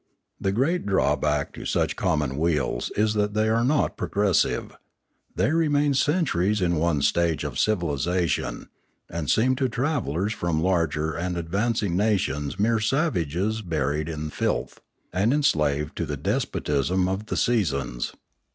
The great drawback to such commonweals is that they are not progressive; they remain centuries in one stage of civilisation, and seem to travellers from larger and advancing nations mere savages buried in filth, and enslaved to the despotism of the seasons.